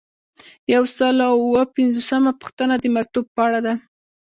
یو سل او اووه پنځوسمه پوښتنه د مکتوب په اړه ده.